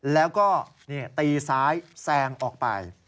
แล้วก็ตีซ้ายแซงออกไป